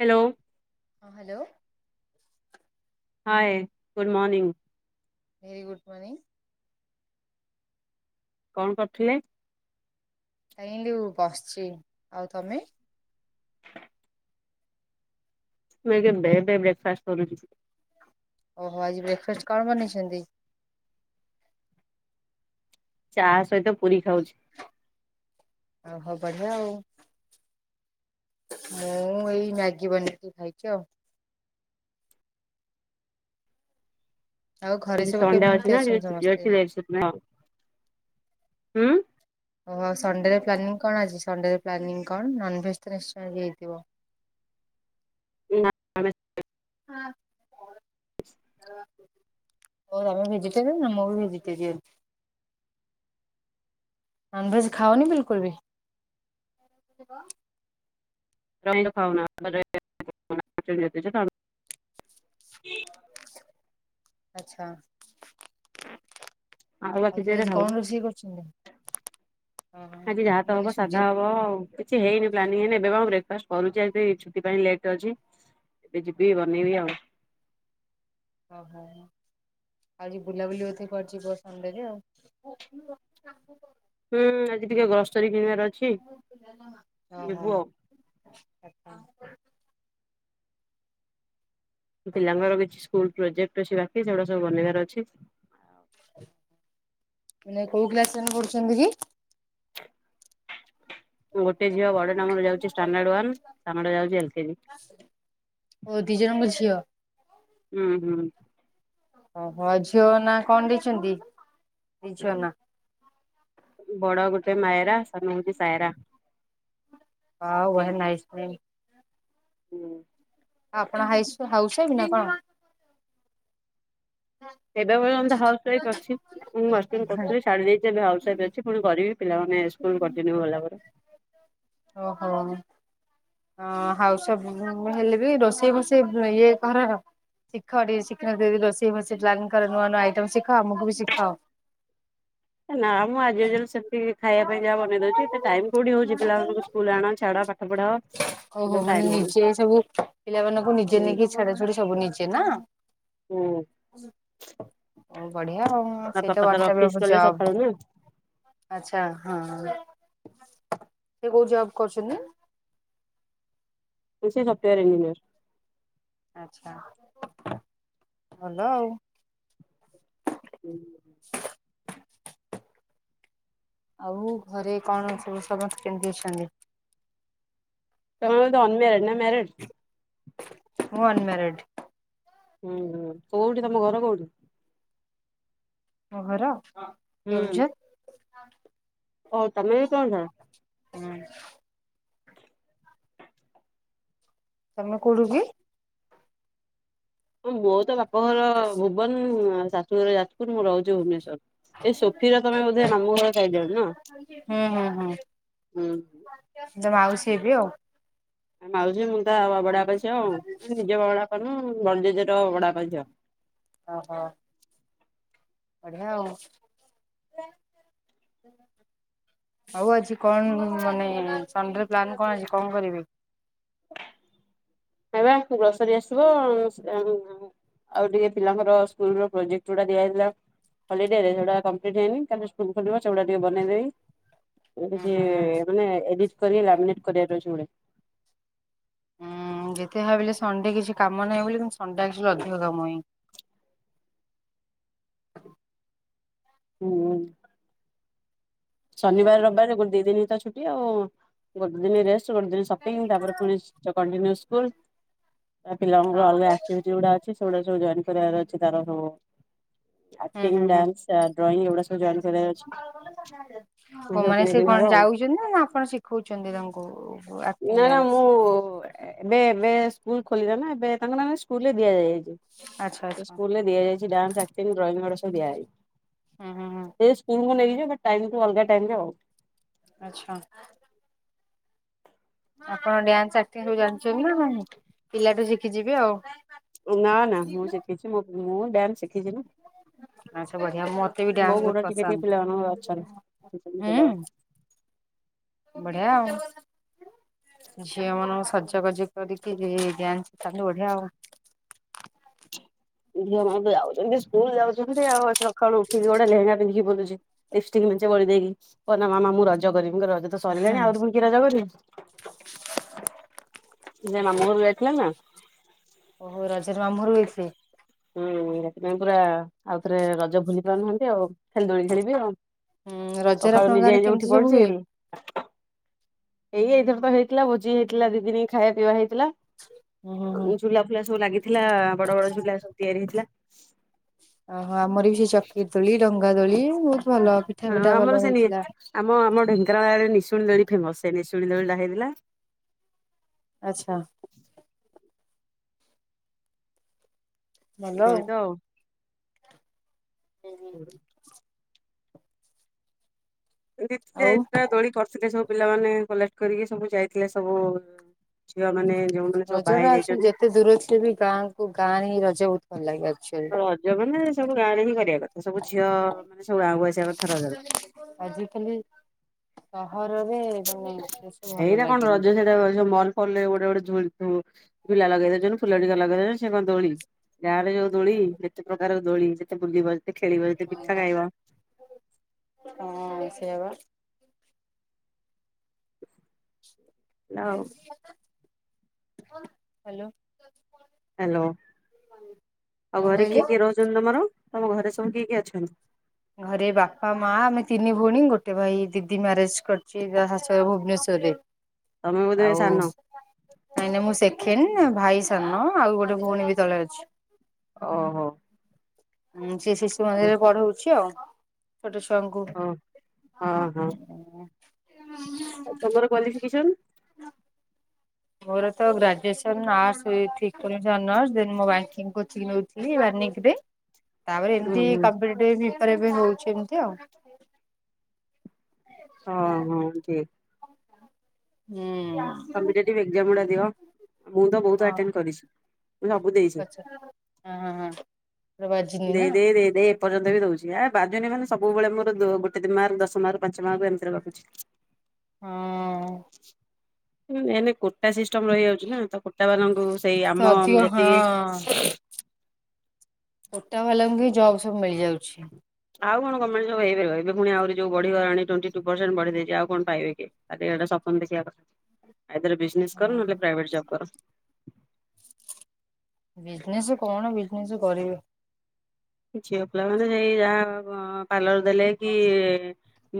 ହ୍ୟା ଲୋ। ହଁ hello. Hi good morning. Very good morning. କଣ୍ କରୁଥୁଲେ? ବସିଚି ଆଉ ତମେ? ମୁଁ ଏବେ ଲେଟ୍ ରେ ବ୍ରେକ୍ଫାଷ୍ଟ୍ କରୁଚି। ଓହୋ ଆଜି ବ୍ରେକ୍ଫାଷ୍ଟ୍ କଣ ବନେଇଚନ୍ତି? ଚା ସହିତ ପୁରୀ ଖାଉଚି। ଓହୋ ବଢିଆ ଆଉ। ମୁଁ ଏଇ ମ୍ୟାଗି ବନେଇକି ଖାଇଚି ଆଉ। ଆଉ ଘରେ ଆଜି ସବୁ ସନଡେ୍ କେମିତି ଅଛି ନା ଟିକେ ଅଛନ୍ତି ଛୁଟି ସମସ୍ତେ ଅଛି ଲେଟ୍ ସେଥିପାଇଁ ଆଉ‌ ହୁଁ। ଓହୋ ସଣ୍ଡେରେ ପ୍ଲାନିଂ କଣ୍ ଆଜି ସଣ୍ଡେରେ ପ୍ଲାନିଂ କଣ୍ ନନଭେଜ୍ ତ ନିଶ୍ଚୟ ଆଜି ହେଇଥିବ। [inaudible] ମୋ ମାମା ଭେଜିଟେରିୟାନ୍ ନା ମୁଁ ବି ଭେଜିଟେରିୟାନ୍। ନନଭେଜ୍ ଖାଅନି ବିଲକୁଲ୍ ବି? [unintelligible] ଆଛା ଆଉ ବାକି ତାହେଲେ ଦିନରେ ଆଜି ଖାଉ କଣ ରୋଷେଇ କରିଛନ୍ତି? ଆଜି ଯାହା ତ ହବ ସାଧା ହବ ଆଉ। କିଛି ହେଇନି ପ୍ଲାନିଂ ଏଇନେ ଏବେ ପା ମୁଁ ବ୍ରେକ୍ଫାଷ୍ଟ କରୁଚି ଆଜି ଛୁଟି ପାଇଁ ଲେଟ୍ ରେ ଅଛି। ଏବେ ଯିବି ବନେଇବି ଆଉ। ଓହୋ। ଆଜି ବୁଲାବୁଲି କରିଛି [unintelligible] ହୁଁ ଆଜି ଟିକେ ଗ୍ରସରୀ କିଣିବାର ଅଛି। ଓହୋ ଯିବୁ ଆଉ। ଆଚ୍ଛା ପିଲାଙ୍କର କିଛି ସ୍କୁଲ୍ ପ୍ରୋଜେକ୍ଟ୍ ଅଛି ବାକି ସେଗୁଡା ସବୁ ବନେଇବାର ଅଛି। ଏଇନେ କଉ କ୍ଲାସରେ ପଢୁଛନ୍ତି କି? ମୁଁ ଗୋଟେ ଝିଅ ବଡଟା ମୋର ଯାଉଚି ଷ୍ଟାଣ୍ଡାଡ୍ ୱାନ୍ ସାନ ଟା ଯାଉଚି ଏଲ୍ କେଜି। ଓ ଦି ଜଣଙ୍କ ଝିଅ। ହୁଁ ହୁଁ। ଓହୋ ଝିଅ ନା କଣ ଦେଇଚନ୍ତି? ଦି ଝିଅ ନା? ବଡ ଗୋଟେ ମାୟରା ସାନ ହଉଛି ସାୟରା। ୱଓ! ୱହ ନାଇସ ନେମ। ହୁଁ। ଆପଣ ହାଇସ୍- ହାଉସ୍ ୱାଇଫ୍ ନା କଣ? ଏବେ ପର୍ଯ୍ୟନ୍ତ ତ ହାଉସ୍ ୱାଇଫ୍ ଅଛି। ମୁଁ ମାଷ୍ଟରାଣୀ କରୁଥିଲି ଛାଡ଼ି ଦେଇଚି ଏବେ ହାଉସ୍ ୱାଇଫ୍ ଅଛି ପୁଣି କରିବି ପିଲାମାନେ ସ୍କୁଲ୍ କଣ୍ଟିନ୍ୟୁ ଗଲା ପରେ। ଓହୋ। ହଁ ହାଉସ୍ ୱାଇଫ୍ ମୁଁ ହେଲେ ବିି ରୋଷେଇ ବୋଷେଇ ଇଏ ଘରର ଶିଖ ଟିକେ [unintelligible] ରୋଷେଇ ଫୋଷେଇ ପ୍ଳାନକର। ନୂଆ ନୂଆ ଆଇଟମ ଶିଖ। ଆମକୁ ବି ଶିଖାଅ। ନା ମ ଆଜ ଏଜୁଅଲ ସେମିତି ଖାଇବା ପାଇଁ ଯାହା ବନେଇ ଦଉଚି। ଏତେ ଟାଇମ୍ କଉଠି ହଉଚି ପିଲାମାନଙ୍କୁ ସ୍କୁଲ୍ ଆଣ ଛାଡ ପା [unintelligible] ହୋଉ ହୋଉ ମାନେ ନିଜେ ସବୁ ପିଲାମାନଙ୍କୁ ନିଜେ ହୁଁ ନେଇକି ଛାଡା ଛୁଡି ସବୁ ନିଜେ ନା? ହୁଁ। ବଢିଆ ଆଉ ତା ବାପା ସେଇଟା ତାର ୱାନ ଟାଇପ ଅଫିସ ଅଫ୍ ଗଲେ ସକାଳୁ ଜବ। ନା। ଆଚ୍ଛା ହଁ। ସେ କୋଉ ଜବ୍ କରୁଛନ୍ତି? ସେ ସଫ୍ଟୱାର ଇଞ୍ଜିନିଅର। ଆଚ୍ଛା, ଭଲ ଆଉ। ଆଉ ଘରେ କଣ ସବୁ [unintelligible] କେମିତି ଅଛନ୍ତି? ତମେ ହଉଛ ଅନମ୍ୟାରେଡ ନା ମ୍ୟାରେଡ? ହଁ ଅନମ୍ୟାରେଡ। ହୁଁ ହୁଁ। କୋଉଠି ତମ ଘର କୋଉଠି? ଆମ ଘର? ହଁ, ହୁଁ କେଉଁଝର। ଓ ତମେ ବି କେଉଁଝର। ହଁ। ତମେ କୋଉଠୁ କି? ମୋ ବୋଉ ତ ବାପଘର ଭୁବନ, ଶାଶୁଘର ଯାଜପୁର, ମୁଁ ରହୁଛି ଭୁବନେଶୂର। ଏ ସୋଫିର ତମେ ବୋଧେ ମାମୁଁ ଘର ଟାଇଟେଲ ନା? ହୁଁ। ମୁଁ ତା ମାଉସୀ ହେବି ଆଉ। ତା ମାଉସି ମୁଁ ତା ବଡବାପା ଝିଅ ଆଉ ନିଜ ବଡବାପା ନୁହଁ ବଡ଼ଜେଜେ ର ବଡ ବାପା ଝିଅ। ଓହୋ। ବଢିଆ ଆଉ। ଆଉ ଆଜି କଣ ମାନେ ସଣ୍ଡେରେ ପ୍ଲାନ କଣ ଅଛି କଣ କରିବି? ନାଇପା ଗୋସରୀ ଆସିବ। [unintelligible] ଆଉ ଟିକେ ପିଲାଙ୍କର ସ୍କୁଲ ପ୍ରୋଜେକ୍ଟ ଗୁଡା ଦିଆଯାଇଥିଲା ହଲିଡେ ରେସେଗୁଡା କମ୍ପିଲିଟି କାଲି ସ୍କୁଲ ଖୋଲିବ ସେଗୁଡା ଟିକେ ବନେଇଦବି ଏ ହୁଁ ଡିଟି ହୁଁ ହୁଁ ମାନେ କରି ଲାମିନିଟେ କରିବାର ଅଛି ଗୁଡ଼େ ଉଁ ଯେତେ ଭାବିଲେ ସଣ୍ଡେ କିଛି କାମ ନାହିଁ ବୋଲି କିନ୍ତୁ ସଣ୍ଡେ ଆକ୍ଚୁଲି ଅଧିକ କାମ ହିଁ ହୁଁ ଶନିବାର ରବିବାର ଗୋଟେ ଦି ଦିନ ତ ଛୁଟି ଆଉ ଗୋଟେ ଦିନ ରେଷ୍ଟ ଗୋଟେ ଦିନ ସପିଙ୍ଗ ତାପରେ ପୁଣି କଣ୍ଟିନ୍ୟୁ ସ୍କୁଲ ତା ପିଲାଙ୍କର ହଁ ଅଲଗା ଆକ୍ଟିଭିଟି ଗୁଡା ଅଛି ସେଗୁଡା ସବୁ ଜଏନ କରିବାର ଅଛି ତାର ସବୁ ହୁଁ ଆକ୍ଟିଂ ହୁଁ ହୁଁ। ଡ୍ୟାନ୍ସ ତା ଡ୍ରଇଂ ଏଗୁଡା ସବୁ ଜଏନ୍ କରିବାର ଅଛି ହଁ ସବୁ ମାନେ କିଣା ସେ କିଣି ହବ କଣ ଆଉ। ଯାଉଛନ୍ତି ନା ଆପଣ ଶିଖଉଛନ୍ତି ତାଙ୍କୁ ଆକ୍ଟିଂ ନା ନା ଡ୍ୟାନ୍ସ? ମୁଁ ଏବେ ଏବେ ସ୍କୁଲ ଖୋଲିଲା ନା ଏବେ ତାଙ୍କ ନା ସ୍କୁଲରେ ଦିଆଯାଇଛି ଆଚ୍ଛା ସେ ଆଚ୍ଛା ସ୍କୁଲରେ ଦିଆଯାଇଛି ଡ୍ୟାନ୍ସ ଆର୍କ୍ଟି ଡ୍ରଇଂ ଗୁଡା ସବୁ ଦିଆଯାଇଛି ହୁଁ ହୁଁ ହୁଁ ସେ ସ୍କୁଲ ନେଇ ଯିବୁ ଟାଇମ ତୁ ଅଲଗା ଟାଇମରେ ଆଚ୍ଛା ଆପଣ ଡ୍ୟାନ୍ସ ଆର୍କ୍ଟି ସବୁ ଜାଣିଛନ୍ତି ନାହିଁ ପିଲାଠୁ ଶିଖିଯିବେ ଆଉ ନା ନା ମୁଁ ଶିଖିଛି ମୋ ମୁଁ ଡ୍ୟାନ୍ସ ଶିଖିଛି ନା ଆଉ ସବୁ ବଢିଆ ମତେ ବି ମୋ ଡ୍ୟାନ୍ସ ଗୁଣ ବହୁତ ଟିକେ ଟିକେ ପିଲାମାନଙ୍କର ଅଛନ୍ତି। ପସନ୍ଦ ପିଲା ହୁଁ। ବଢିଆ। ଝିଅ ମାନଙ୍କୁ ସଜବାଜ କରିକି ଡ୍ୟାନ୍ସ ଶିଖାନ୍ତୁ ବଢିଆ ଆଉ ଝିଅ ମାନେ ଯାଉଛନ୍ତି ସ୍କୁଲ ଯାଉଛନ୍ତି ଆଉ ସକାଳୁ ଉଠିକି ଗୋଟେ ଲେହେଙ୍ଗା ପିନ୍ଧିକି ବୁଲୁଛି ଲିପିଷ୍ଟିକି ମେଁଚେ ବଳି ଦେଇକି କହନା ମାମା ମୁଁ ରଜ କରିବି ରଜ ତ ସରିଲାଣି ଆହୁରୁ ପୁଣି କି ରଜ କରିବୁ, ସିଏ ତା ମାମୁଁ ଘରୁ ଯାଇଥିଲା ନା ଓହୋ ରଜରେ ମାମୁଁ ଘର କୁ ଯାଇଥିଲେ ହୁଁ ସେଥିପାଇଁ ପୁରା ଆଉ ଥରେ ରଜ ଭୁଲି ପାରୁନାହାନ୍ତି ଆଉ ଖାଲି ଦୋଳି ଖେଳିବି ଆଉ ହୁଁ ରଜରେ ସକାଳୁ ଆପଣଙ୍କ ନିଜେ ଗାଁରେ ନିଜେ ଉଠି କେମିତି ସବୁ ପଡୁଛି ହୁଏ? ଲି ଏଇ ଏଇଥର ତ ହେଇଥିଲା ଭୋଜି ହେଇଥିଲା ଦି ଦିନ ଖାଇବା ପିଇବା ହେଇଥିଲା। ହୁଁ ହୁଁ ହୁଁ ଝୁଲା ଫୁଲା ସବୁ ଲାଗିଥିଲା ବଡ ବଡ ଝୁଲା ସବୁ ତିଆରି ହେଇଥିଲା। ଓହୋ ଆମର ବି ସେ ଚକ୍ରୀ ର ଦୋଳି ଡଙ୍ଗାଦୋଳି ବହୁତ ଭଲ ପିଠା ପିଠା ଆମର ଭଲ ସେ ହେଇଥିଲା। ଆମ ଆମ ଢେଙ୍କାନାଳରେ ନିଶୁଣି ଦୋଳି ଫେମସ ସେ ନିଶୁନି ଦୋଳିଟା ହେଇଥିଲା। ଆଚ୍ଛା। ଏ ଦୋଳି ତ ଆଉ। ଦୁ ଆଉ ଚାରିଟା [unintelligible] ଦୋଳି କର କରିଥିଲେ ସବୁ ପିଲାମାନେ କଲେକ୍ଟ କରିକି ସବୁ ଯାଇଥିଲେ ସବୁ ଝିଅ ମାନେ ଯୋଉ। ରଜ ଟା ଆକ୍ଚୁଆଲି ଯେ ଏତେ ଦୂର ଥିଲେ ବି ଗାଁକୁ ଗାଁରେ ହିଁ ରଜ ବହୁତ ଭଲ ଲାଗେ ଆକ୍ଚୁଆଲି। ରଜ ମାନେ ସବୁ ଗାଁରେ ହିଁ କରିବା କଥା ସବୁ ଝିଅ ମାନେ ସବୁ ଗାଁକୁ ଆସିବା କଥା ରଜରେ। ଆଜିକାଲି ସହରରେ ମାନେ ଏସବୁ ଭଲ ଏଇଟା କଣ ଲାଗେନି। ରଜ ସେଇଟା ସବୁ ମଲ ଫଲ ଗୋଟେ ଗୋଟେ ଝୁଲଥିବ। ଝୁଲା ଲଗେଇ ଦୋଉଛନ୍ତି ଫୁଲ ଦୀଟା ଲଗେଇ ଦୋଉଛନ୍ତି ସେ କଣ ଦୋଳି ଗାଁରେ ଯୋଉ ଦୋଳି ଯେତେ ପ୍ରକାର ଦୋଳି ଯେତେ ବୁଲିଵା ଯେତେ ଖେଳିଵ ଯେତେ ପିଠା ଖାଇବା। ହଁ ସେଇଆ ପା। [inaudible] ଆଉ। ହ୍ୟାଲୋ ହାଲୋ ଆଉ କଣ ଘରେ କିଏ କହିଲେ? କିଏ ରହୁଛନ୍ତି ତମର ତମ ଘରେ ସବୁ କିଏ କିଏ ଅଛନ୍ତି। ଘରେ ବାପା ମା ଆମେ ତିନି ଭଉଣୀ ଗୋଟେ ଭାଇ ଦିଦି ମ୍ୟାରେଜ କରିଛି ତା ଶାଶୁ ଘରେ ଭୁବନେଶ୍ଵର। ତମେ ବୋଧେ ଆଉ? ସାନ ନାଇଁ ନାଇ ମୁଁ ସେକେଣ୍ଡ ଭାଇ ସାନ ଆଉ ଗୋଟେ ଭଉଣୀ ବି ତଳେ ଅଛି। ଓହୋ। ମୁଁ ସେ ଶିଶୁ ଓ ମନ୍ଦିରରେ ପଢହଉଚି ଆଉ। ଛୋଟ ଛୁଆଙ୍କୁ। ହଁ ଆଉ ତମର କ୍ଵାଲିଫିକେସନ୍? [inaudible] ମୋର ତ ଗ୍ରାଜୁଏସନ ଆର୍ସ ଏଠି [unintelligible] ଅନର୍ସ ଦେନ୍ ମୁଁ ବ୍ୟଙ୍କିଙ୍ଗ କୋଚିଂଙ୍ଗି ନୋଉଥିଲି [unintelligible] ହୁଁ ହୁଁ ତାପରେ ଏମିତି [unintelligible] ହଉଚି ଏମତି ଆଉ। ହଁ ହଁ ଠିକ୍। ହୁଁ। କମ୍ପିଡେଟିପ୍ ଏକ୍ଜାମ ଗୁଡା ଦିଅ ମୁଁ ତ ବୋହୁତୁ ଆଟେନେ କରିସ୍ ଆଛା ହଁ ହଁ ହଁ। ପୁରା ବାଜିନି ନା ଦେଇ ଦେଇ ଦେଇ ଦେ ଏ ପର୍ଯ୍ୟନ୍ତ ବି ଦଉଚି ଆ ବାଜୁନି ମାନେ ସବୁବେଳେ ମୋର ଦୋ ଗୋଟେ ଦିନ ମାର୍କ ଦଶ ମାର୍କ ପାଞ୍ଚ ମାର୍କ ଏମିତିରେ ବଟୁଚି। ହଁ। [unintelligible] ସିଷ୍ଟମ ରହି ଯାଉଚି ନା ତ କୁଟା ବାଲାଙ୍କୁ ସେଇ ଆମ ଅଧିକ ହଁ ଯେତିକି କୋଟା ବାଲାଙ୍କୁ ହିଁ ଜବ୍ ସବୁ ମିଳିଯାଉଛି। ଆଉ କଣ ଗମେଟେ ଜବ ହେଇପାରିବ ଏବେ ଫୁଣି ଆହୁରି ଯୋଉ ବଢିଗଲାଣି ଟଣ୍ଟି ଟୁ ପରସେଣ୍ଟ ବଢି ଦେଇଚି ଆଉ କଣ ପାଇବେ କି? ଖାଲି ଗୋଏଟା ସପନ ଦେଖିବା କଥା ଆଇଦର ବିନେସ କର ନହେଲେ ହଁ ପ୍ରାଇଭେଟ ଜବ୍ କର। ବିଜନେସ୍ କଣ ବିଜନେସ୍ କରିବି? ଝିଅ ପିଲାମାନୋନେ ସେଇ ଯାହା ପାର୍ଲର ଦେଲେ କି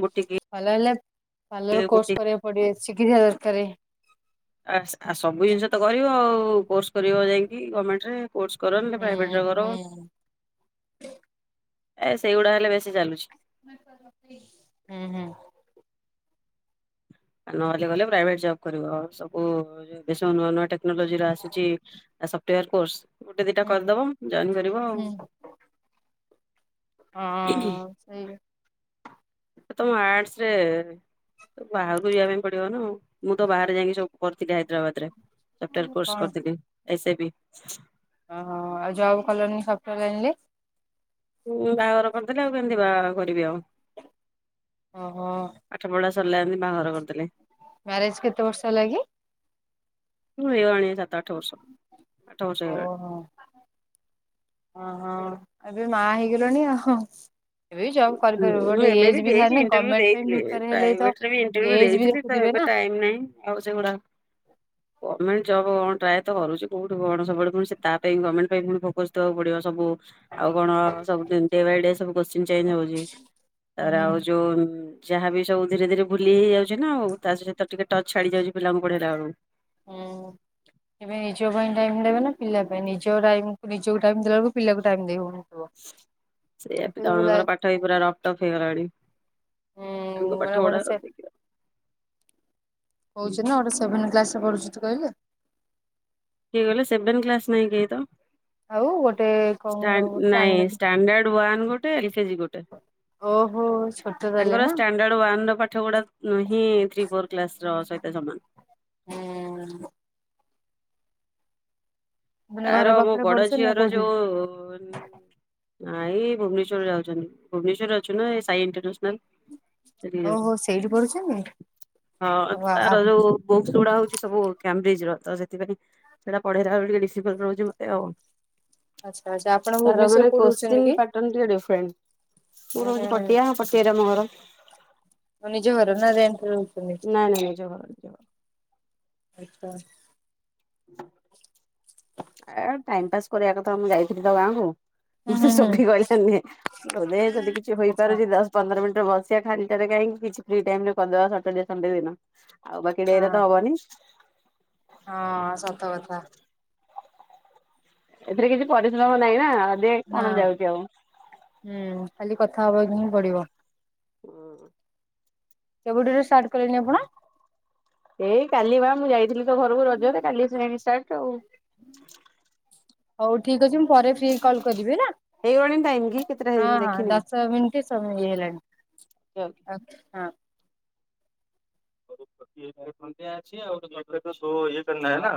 ବୁଟିକି ଭଲ ହେଲା ପାଲର କୋର୍ସ ବୁଟିକ କରିବାକୁ ପଡିବ ଶିକିଥିବା ଦରକାରେ। ଆସ୍‌ ଆ ସବୁ ଜିନିଷ ତ କରିବ ଆଉ କୋର୍ସ କରିବ ଯାଇକି ଗମେଣ୍ଟ ରେ। କୋର୍ସ କର ନହେଲେ ହୁଁ ପ୍ରାଇବେଟ ଜ ହୁଁ କର। ଏ ସେଇଗୁଡା ହେଲେ ବେଶୀ ଚାଲୁଛି। ହୁଁ ହୁଁ। ଆଉ ନହେଲେ ଗଲେ ପ୍ରାଇଭେଟ ଜବ୍ କରିବ ଆ ସବୁ [unintelligible] ନୂଆ ନୂଆ ଟେ ନୋଲୋଜିର ଆସୁଚି ସଫ୍ଟାର କୋର୍ସ ଗୋଟେ ଦିଟା ହୁଁ କରିଦବ ଜଏନ୍ କରିବ ଆଉ। ହୁଁ ହୁଁ ସେଇ ଆ ତମେ ଆର୍ଟସ ରେ ବାହାରକୁ ଯିବା ପାଇଁ ପଡିବ ନା ମୁଁ ତ ବାହାରେ ଯାଇକି ସବୁ କରୁଥିଲି ହାଇଦ୍ରାବାଦରେ ସଫ୍ଟୟାର କୋର୍ସ କଣ କରୁଥିଲି ଏସ୍-ଏ-ବି। ଓହୋ ହୋ ଆଉ ଯବ୍ କଲନି ସଫ୍ଟାର ଲାଇନ୍ ରେ? ଉଁ ବାହାଘର କରିଦେଲେ ଆଉ କେମିତି ବାଆଘର କରିବି ଆଉ? ଓ ହୋ। ପାଠ ପଢା ସରିଲା ଯେମିତି ବାହାଘର କରିଦେଲେ। ମ୍ୟାରେଜ୍ କେତେ ବର୍ଷ ହେଲାକି? ହୁଁ ହେଇଗଲାଣି ସାତ ଆଠ ବର୍ଷ। ଆଠ ବର୍ଷ ହେଇଗଲାଣି। ଓହୋ ଅହ ଏବେ ମା ହେଇଗଲଣି ଆଉ। ଏବେବି ଜବ୍ କରିପାରିବୁ ମୁଁ ବଟ୍ ଏବେ ଏଜ ବି ଦେଇଛି ଥାନି ଇଣ୍ଟରଭ୍ୟୁ ଗମେଣ୍ଟ ପାଇଁ ଦେଇଥିଲି ପିପ୍ୟାର ହେଲେତ ପ୍ରାଇଭେଟରେ ବି ଇଣ୍ଟରଭ୍ୟୁ ଦେଇଥିଲି ଏଜବିତ ଏବେ ଟାଇମ ନାଇଁ ଆଉ ସେଗୁଡା ପ ଗମେଟ ଜବ୍ ହଁ ଟ୍ରାଏ ତ କରୁଚି କଉଠୁ ବଡ଼ ସପୋର୍ଟ କରୁ ସେ ତା ପାଇଁ ଗମେଣ୍ଟ ପାଇଁ ପୁଣି ଫୋକସ୍ ଦେବାକୁ ପଡିବ ସବୁ ଆଉ କଣ ସବୁ ଡେ ବାଇ ଡେ ସବୁ କୋଶ୍ଚୀନ ଚେଞ୍ ହଉଚି ତା ହୁଁ ପରେ ହୁଁ। ଆଉ ଯୋଉ ଯାହା ବି ସବୁ ଧିରେ ଧିରେ ଭୁଲି ହେଇ ହେଇଯାଉଚି ନା ଆଉ ତା ସହିତ ଟିକେ ଟଚ୍ ଛାଡି ଯାଉଛି ପିଲାଙ୍କୁ ପଢେଇଲା ବଳକୁ। ହୁଁ। ଏବେ ନିଜ ପାଇଁ ଟାଇମ୍ ଦେବେ ନା, ପିଲା ପାଇଁ, ନିଜ ଟାଇମ୍ କୁ ନିଜକୁ ଟାଇମ୍ ଦେଲା ବେଳକୁ ପିଲାକୁ ଟାଇମ୍ ଦେଇ ହଉନି। ସେଇଆତ, ଜଣଜଣଙ୍କର ପାଠ ବି ପୁରା ରଫ୍ ଟଫ୍ ହେଇଗଲାଣି। ଉଁ ତାଙ୍କ ମାନେ ପାଠ ଗୋଟେ ଗୁଡା ସେ ଦେଖିବା। କହୁଛି ନା, ଗୋଟେ ସେଭେନ କ୍ଲାସ ରେ ପଢୁଚି ତୁ କହିଲୁ। କିଏ କହିଲେ, ସେଭେନ୍ କ୍ଲାସ ନାଇଁ କେହି ତ? ଆଉ ଗୋଟେ କଣ ଷ୍ଟାଣ୍ଡ ନାଇଁ ଷ୍ଟାଣ୍ଡାର୍ଡ ଷ୍ଟାଣ୍ଡାର୍ଡ ୱାନ ଗୋଟେ, ଏଲକେଜୀ ଗୋଟେ। ହଁ ସତ। ତାଙ୍କର ଷ୍ଟାଣ୍ଡାର୍ଡ ୱାନ ର ପାଠ ଗୁଡା ହିଁ, ଥ୍ରୀ ଫୋର କ୍ଲାସ ର ସହିତ ସମାନ। ହୁଁ ମାନେ ଘର ତାର, ମୋ ପାଖରେ ବଡ ପଢୁଛନ୍ତି ନା ଝିଅର କୋଉଠି? ଯୋଉ ନାଇ ଏଇ ଭୁବନେଶ୍ୱର ଯାଉଚନ୍ତି, ଭୁବନେଶ୍ୱର ଅଛି ନା ଏ ସାଇଇଣ୍ଟରନ୍ୟାସନାଲ ସେଇଠିକି ଓହୋ ଯାଉଚନ୍ତି, ସେଇଠି ପଢୁଛନ୍ତି ହଁ ଓ ଆ ତାର ଯୋଉ ବହୁତ୍ ସେଗୁଡା ହଉଛି ସବୁ କାମବ୍ରିଜ ର, ତ ସେଥିପାଇଁ, ସେଟା ପଢେଇଲା ବେଳେ ଟିକେ ରିସ୍ ଫିକର ରହୁଚି ମତେ ଆଉ। ଆଚ୍ଛା ଆଚ୍ଛା ଆପଣ ତାର ଭୁବନେଶ୍ୱରରେ ମାନେ କୋଉଠି ରହୁଛନ୍ତି କୋଶ୍ଚିନ କି? ପାଟନ୍ ଟିକେ ଡିଫରେଣ୍ଟ। ମୁଁ ହୁଁ ରହୁଛି ହୁଁ ପଟିଆ, ପଟିଆରେ ଆମ ଘର। ନିଜ ଘର, ନା ରେଣ୍ଟ ରେ ରହୁଚନ୍ତି? ନାଇଁ ନାଇଁ ନିଜ ଘର ନିଜ ଘର। [unintelligible] ଆ ଟାଇମ ପାସ୍ କରିବା କଥା, ମୁଁ ଯାଇଥିଲି ତ ଗାଁକୁ। ହୁଁ ମୁଁ ସେ ହୁଁ ହୁଁ ସୋଭି କହିଲା ନେ, ମୁଁ କହିଲି ହଉ ଦେ, ଯଦି କିଛି ଆଛା ହେଇପାରୁଚି ଦଶ ପନ୍ଦର ମିନିଟରେ ବସିବା ଖାଲି ଟାରେ କାହିଁକି? କିଛି ଫ୍ରି ଟାଇମ ରେ କରିଦବା ସଟରର୍ଡେ ସଂଡେ ଦିନ। ଆଉ ବାକି ଡେରେ ହଁ ତ ହବନି। ହଁ, ସତ କଥା। ଏଥିରେ କିଛି ପରିଶ୍ରମ ନାହିଁ ନା, ଦେଖେ ନା କଣ ଯାଉଚି ଆଉ। ହୁଁ, ଖାଲି କଥା ହେବାକୁ ହିଁ ପଡିବ। ହଁ କେବେଠରୁ ଷ୍ଟାର୍ଟ କଲେଣି ଆପଣ? ଏଇ କାଲି ବା, ମୁଁ ଯାଇଥିଲି ତୋ ଘରକୁ ରଜରେ, କାଲି ଆସିକି ଜାଣିକି ଷ୍ଟାର୍ଟ ଆଉ ‌। ହଉ ଠିକ ଅଛି, ମୁଁ ପରେ ଫ୍ରି ହେଇକି କଲ କରିବି ହେଲା। ହେଇଗଲାଣି ଟାଇମ କି କେତେଟା ହେଇ ହଁ ମୁଁ ହଁ, ଦେଖିନି। ଦଶ ମିନିଟ ସମୟ ହେଇ ଗଲାଣି, ଆଉ ହଁ। [unintelligible] ସୋ ଏଥିରେ ନାହିଁ ନା।